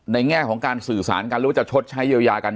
แง่ของการสื่อสารกันหรือว่าจะชดใช้เยียวยากัน